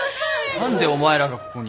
何でお前らがここに。